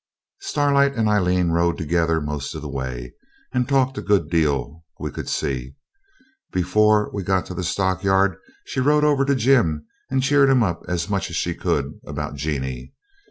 Starlight and Aileen rode together most of the way, and talked a good deal, we could see. Before we got to the stockyard she rode over to Jim and cheered him up as much as she could about Jeanie.